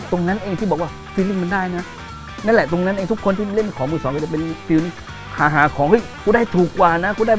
ตรงนั้นเองที่บอกว่า